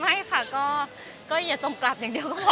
ไม่ไม่ค่ะก็อย่าทรงกลับอย่างเดียวก็พอแล้วค่ะ